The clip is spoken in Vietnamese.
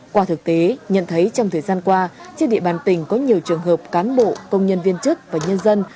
qua thực tế nhận thấy trong thời gian qua trên địa bàn tỉnh có nhiều trường hợp cán bộ công nhân viên chức và nhân dân